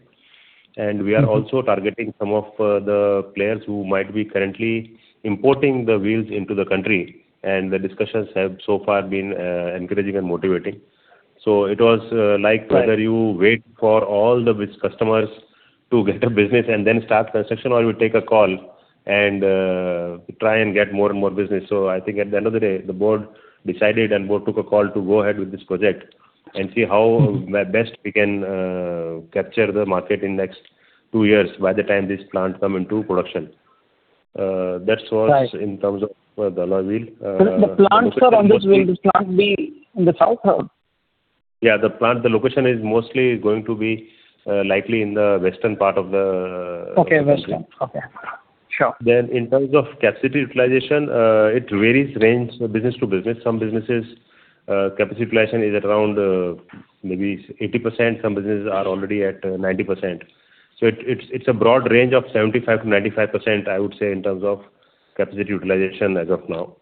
And we are also targeting some of the players who might be currently importing the wheels into the country. And the discussions have so far been encouraging and motivating. So it was like. Whether you wait for all the customers to get a business and then start construction, or you take a call and try and get more and more business. So I think at the end of the day, the board decided and board took a call to go ahead with this project and see how best we can capture the market in the next two years by the time this plant comes into production. That was in terms of the alloy wheels. The plants, sir, on this wheel, this plant will be in the south, sir? Yeah. The location is mostly going to be likely in the western part of the. Okay. Western. Okay. Sure. In terms of capacity utilization, it varies range business to business. Some businesses, capacity utilization is around maybe 80%. Some businesses are already at 90%. It's a broad range of 75%-95%, I would say, in terms of capacity utilization as of now.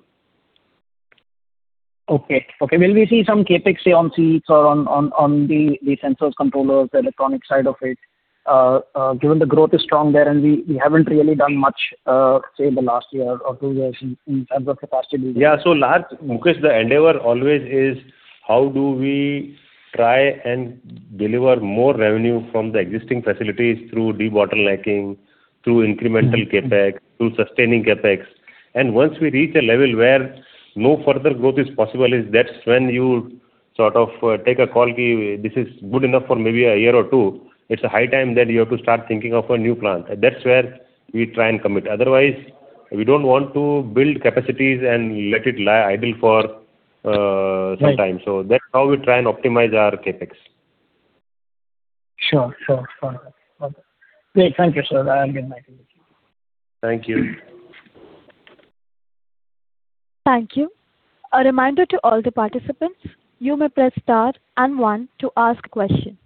Okay. Okay. Will we see some CapEx, say, on seats or on the sensors, controllers, electronic side of it? Given the growth is strong there and we haven't really done much, say, the last year or two years in terms of capacity? Yeah. So Mukesh, the endeavor always is how do we try and deliver more revenue from the existing facilities through de-bottlenecking, through incremental CapEx, through sustaining CapEx? Once we reach a level where no further growth is possible, that's when you sort of take a call that this is good enough for maybe a year or two. It's high time that you have to start thinking of a new plant. That's where we try and commit. Otherwise, we don't want to build capacities and let it lie idle for some time. So that's how we try and optimize our CapEx. Sure. Sure. Sure. Okay. Great. Thank you, sir. I'll get back to you. Thank you. Thank you. A reminder to all the participants, you may press star and one to ask a question.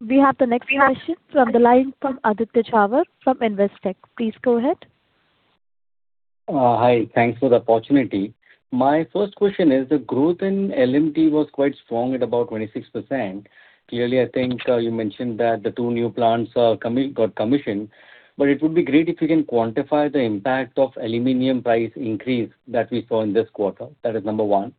We have the next question from the line from Aditya Jhawar from Investec. Please go ahead. Hi. Thanks for the opportunity. My first question is the growth in LMT was quite strong at about 26%. Clearly, I think you mentioned that the two new plants got commissioned. But it would be great if you can quantify the impact of aluminum price increase that we saw in this quarter. That is number one.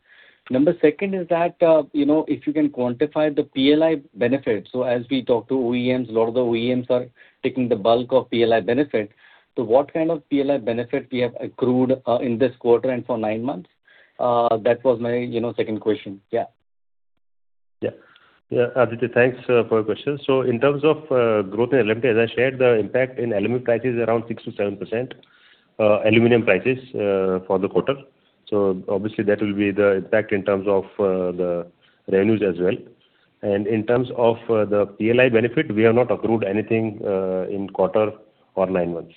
Number second is that if you can quantify the PLI benefit. So as we talk to OEMs, a lot of the OEMs are taking the bulk of PLI benefit. So what kind of PLI benefit we have accrued in this quarter and for nine months? That was my second question. Yeah. Yeah. Yeah, Aditya, thanks for your question. So in terms of growth in LMT, as I shared, the impact in aluminum price is around 6%-7%, aluminum prices, for the quarter. So obviously, that will be the impact in terms of the revenues as well. And in terms of the PLI benefit, we have not accrued anything in quarter or nine months.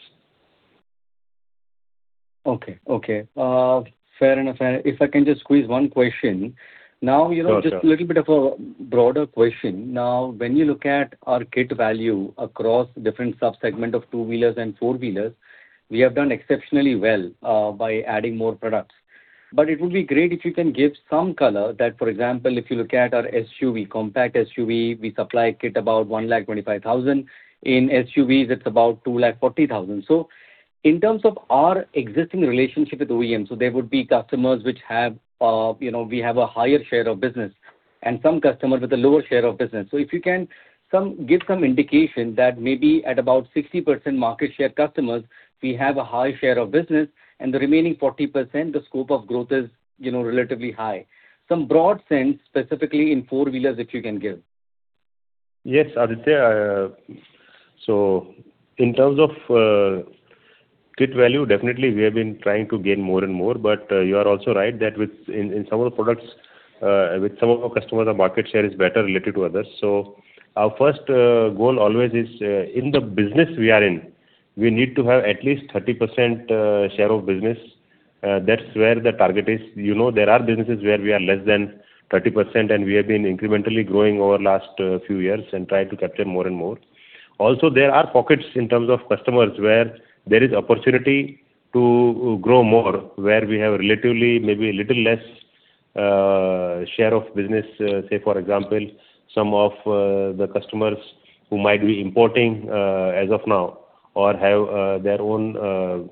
Okay. Okay. Fair enough. And if I can just squeeze one question. Now, just a little bit of a broader question. Now, when you look at our kit value across different subsegments of two-wheelers and four-wheelers, we have done exceptionally well by adding more products. But it would be great if you can give some color that, for example, if you look at our SUV, compact SUV, we supply a kit about 125,000. In SUVs, it's about 240,000. So in terms of our existing relationship with OEMs, so there would be customers which have we have a higher share of business and some customer with a lower share of business. So if you can give some indication that maybe at about 60% market share customers, we have a high share of business, and the remaining 40%, the scope of growth is relatively high. Some broad sense, specifically in four-wheelers, if you can give? Yes, Aditya. So in terms of kit value, definitely, we have been trying to gain more and more. But you are also right that in some of the products, with some of our customers, our market share is better related to others. So our first goal always is in the business we are in, we need to have at least 30% share of business. That's where the target is. There are businesses where we are less than 30%, and we have been incrementally growing over the last few years and try to capture more and more. Also, there are pockets in terms of customers where there is opportunity to grow more, where we have relatively maybe a little less share of business. Say, for example, some of the customers who might be importing as of now or have their own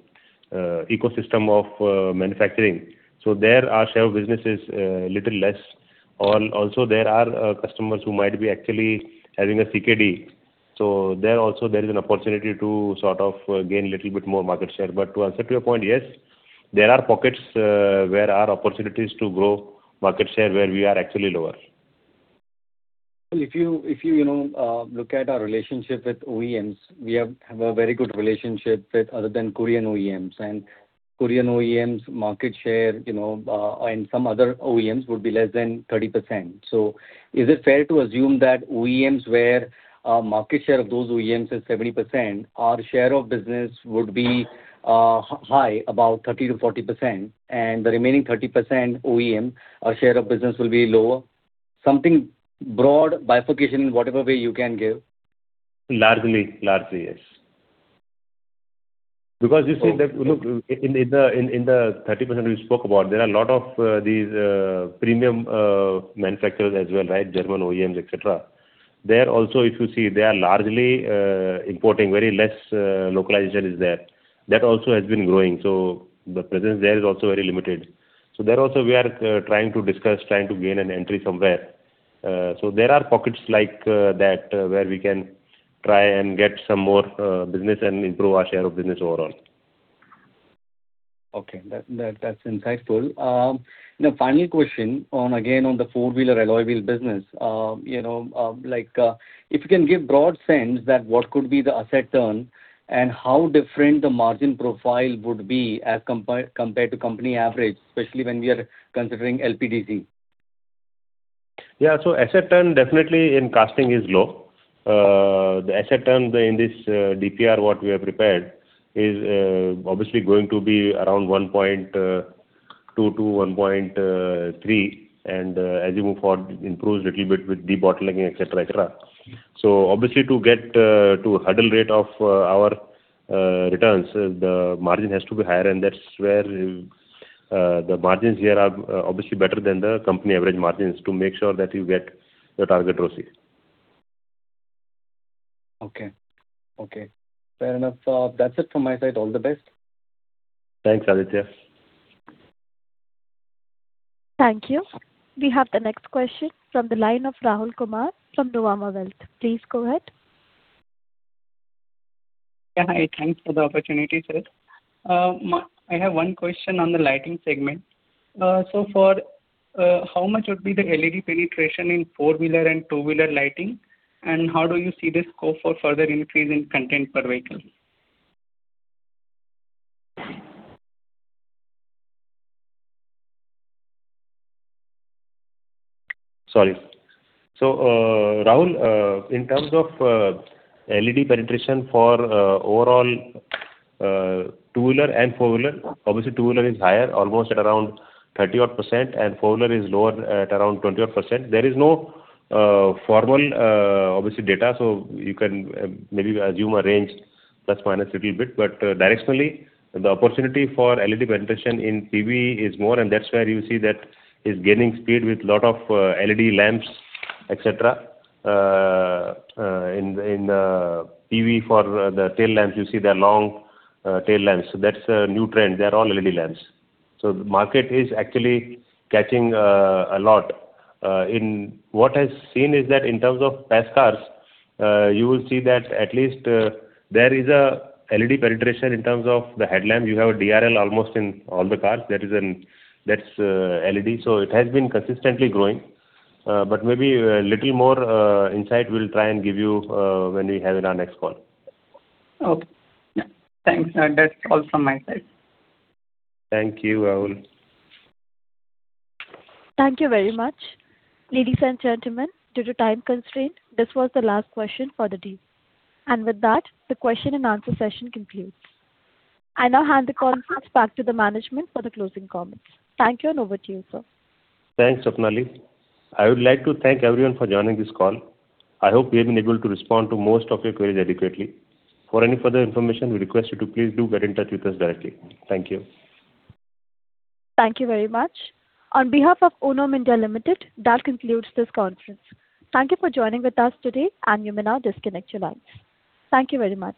ecosystem of manufacturing. So there are share of businesses a little less. Also, there are customers who might be actually having a CKD. So there also, there is an opportunity to sort of gain a little bit more market share. But to answer to your point, yes, there are pockets where there are opportunities to grow market share where we are actually lower. Well, if you look at our relationship with OEMs, we have a very good relationship other than Korean OEMs. Korean OEMs' market share in some other OEMs would be less than 30%. Is it fair to assume that OEMs where our market share of those OEMs is 70%, our share of business would be high, about 30%-40%, and the remaining 30% OEM, our share of business will be lower? Something broad bifurcation in whatever way you can give. Largely. Largely, yes. Because you see that look, in the 30% we spoke about, there are a lot of these premium manufacturers as well, right? German OEMs, etc. There also, if you see, they are largely importing. Very less localization is there. That also has been growing. So the presence there is also very limited. So there also, we are trying to discuss, trying to gain an entry somewhere. So there are pockets like that where we can try and get some more business and improve our share of business overall. Okay. That's insightful. Final question again on the four-wheeler and alloy wheels business. If you can give a broad sense that what could be the asset turn and how different the margin profile would be as compared to company average, especially when we are considering LPDC? Yeah. So asset turn, definitely, in casting is low. The asset turn in this DPR, what we have prepared, is obviously going to be around 1.2-1.3. And as you move forward, it improves a little bit with de-bottlenecking, etc., etc. So obviously, to get to a hurdle rate of our returns, the margin has to be higher. And that's where the margins here are obviously better than the company average margins to make sure that you get your target ROCE. Okay. Okay. Fair enough. That's it from my side. All the best. Thanks, Aditya. Thank you. We have the next question from the line of Rahul Kumar from Nuvama Wealth. Please go ahead. Yeah. Hi. Thanks for the opportunity, sir. I have one question on the lighting segment. So how much would be the LED penetration in four-wheeler and two-wheeler lighting? And how do you see the scope for further increase in content per vehicle? Sorry. So Rahul, in terms of LED penetration for overall two-wheeler and four-wheeler, obviously, two-wheeler is higher, almost at around 30-odd%, and four-wheeler is lower at around 20-odd%. There is no formal, obviously, data. So you can maybe assume a range ± a little bit. But directionally, the opportunity for LED penetration in PV is more. And that's where you see that it's gaining speed with a lot of LED lamps, etc. In the PV for the tail lamps, you see they are long tail lamps. So that's a new trend. They are all LED lamps. So the market is actually catching a lot. What I've seen is that in terms of past cars, you will see that at least there is an LED penetration in terms of the headlamp. You have a DRL almost in all the cars. That's LED. So it has been consistently growing. Maybe a little more insight we'll try and give you when we have in our next call. Okay. Thanks. That's all from my side. Thank you, Rahul. Thank you very much. Ladies and gentlemen, due to time constraints, this was the last question for the team. And with that, the question-and-answer session concludes. I now hand the call back to the management for the closing comments. Thank you, and over to you, sir. Thanks, Swapnali. I would like to thank everyone for joining this call. I hope we have been able to respond to most of your queries adequately. For any further information, we request you to please do get in touch with us directly. Thank you. Thank you very much. On behalf of Uno Minda Limited, that concludes this conference. Thank you for joining with us today, and you may now disconnect your lines. Thank you very much.